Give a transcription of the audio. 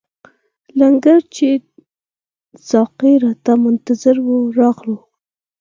لنګر ته چې ساقي راته منتظر وو ورغلو.